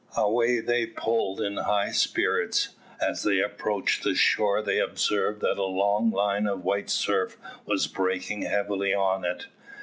Away they pulled in high spirits. As they approached the shore they observed that a long line of white surf was breaking heavily on it.